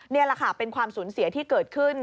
นี่แหละค่ะเป็นความสูญเสียที่เกิดขึ้น